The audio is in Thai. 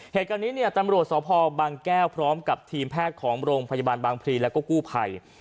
เหตุการณ์นี้เนี่ยตำรวจสพบางแก้วพร้อมกับทีมแพทย์ของโรงพยาบาลบางพลีแล้วก็กู้ภัย